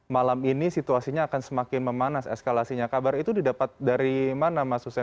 malam ini situasinya akan semakin memanas eskalasinya kabar itu didapat dari mana mas hussein